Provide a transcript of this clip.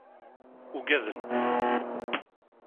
Ugaden.